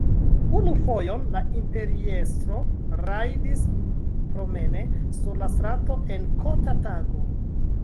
Unu fojon la imperiestro rajdis promene sur la strato en kota tago.